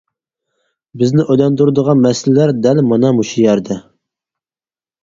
بىزنى ئويلاندۇرىدىغان مەسىلىلەر دەل مانا مۇشۇ يەردە!